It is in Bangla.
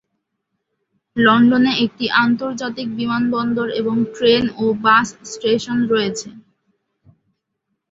লন্ডনে একটি আন্তর্জাতিক বিমানবন্দর এবং ট্রেন ও বাস স্টেশন রয়েছে।